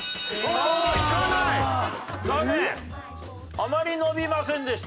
あまり伸びませんでした。